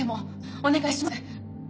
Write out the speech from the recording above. お願いします。